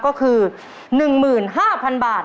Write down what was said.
ก็คือ๑๕๐๐๐บาท